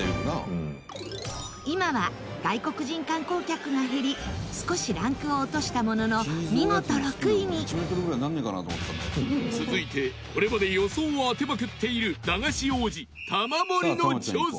今は外国人観光客が減り少しランクを落としたものの見事６位に続いて、これまで予想を当てまくっている駄菓子王子・玉森の挑戦！